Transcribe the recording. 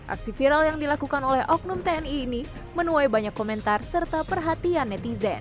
aksi viral yang dilakukan oleh oknum tni ini menuai banyak komentar serta perhatian netizen